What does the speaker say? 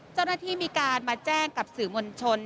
เจ้าหน้าที่มีการมาแจ้งกับสื่อมวลชน